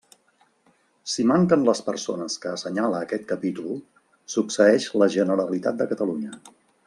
Si manquen les persones que assenyala aquest capítol, succeeix la Generalitat de Catalunya.